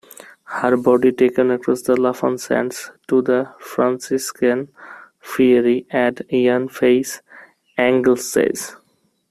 Her body taken across the Lafan Sands to the Franciscan Friary at Llanfaes, Anglesey.